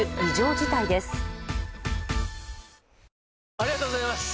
ありがとうございます！